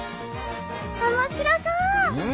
おもしろそう！